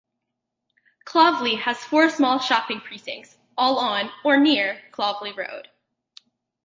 Clovelly has four small shopping precincts all on or near Clovelly Road.